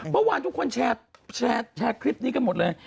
เมื่อวานทุกคนแชร์คลิปนี้กันหมดเลย